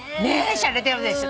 しゃれてるでしょ。